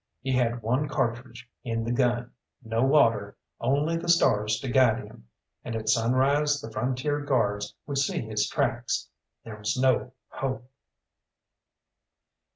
He had one cartridge in the gun, no water, only the stars to guide him, and at sunrise the Frontier Guards would see his tracks. There was no hope.